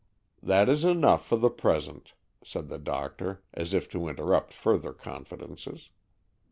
"That is enough for the present," said the doctor, as if to interrupt further confidences.